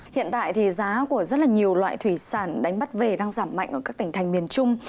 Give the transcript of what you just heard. hiện tại thì giá của rất là nhiều loại thủy sản đánh bắt về đang giảm mạnh ở các tỉnh thành miền trung